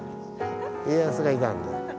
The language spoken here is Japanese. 家康がいたんだ。